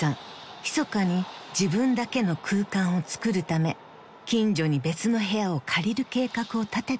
ひそかに自分だけの空間をつくるため近所に別の部屋を借りる計画を立てていました］